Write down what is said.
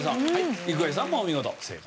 郁恵さんもお見事正解。